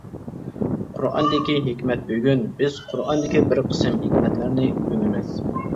قۇرئاندىكى ھېكمەت بۈگۈن بىز قۇرئاندىكى بىر قىسىم ھېكمەتلەرنى ئۆگىنىمىز.